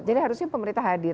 jadi harusnya pemerintah hadir